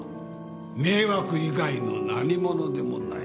迷惑以外の何物でもない。